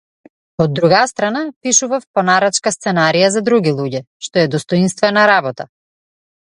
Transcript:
Од друга страна, пишував по нарачка сценарија за други луѓе, што е достоинствена работа.